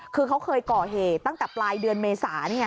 คือเขาเคยก่อเหตุตั้งแต่ปลายเดือนเมษา